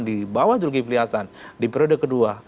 di bawah julgi pilihanan di periode kedua